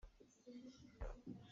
Meithal paak.